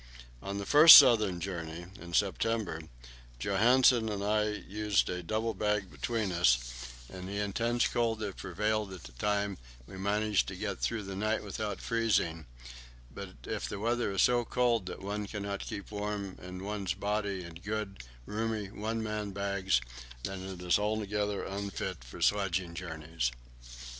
On the first southern journey, in September, Johansen and I used a double bag between us; in the intense cold that prevailed at that time we managed to get through the night without freezing; but if the weather is so cold that one cannot keep warmth in one's body in good, roomy one man bags, then it is altogether unfit for sledging journeys.